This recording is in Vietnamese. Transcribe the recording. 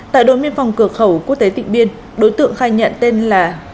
tại đồn biên phòng cửa khẩu quốc tế tịnh biên đối tượng khai nhận tên là